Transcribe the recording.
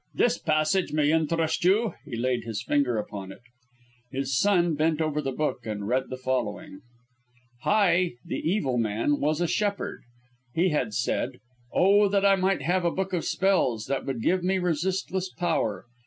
"This passage may interest you." He laid his finger upon it. His son bent over the book and read the following: "Hai, the evil man, was a shepherd. He had said: 'O, that I might have a book of spells that would give me resistless power!'